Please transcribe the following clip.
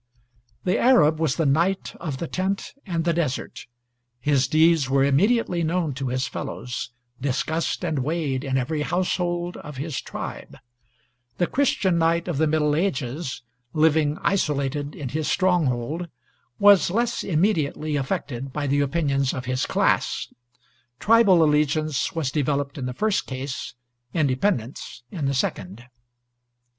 The Arab was the knight of the tent and the desert. His deeds were immediately known to his fellows; discussed and weighed in every household of his tribe. The Christian knight of the Middle Ages, living isolated in his stronghold, was less immediately affected by the opinions of his class. Tribal allegiance was developed in the first case, independence in the second.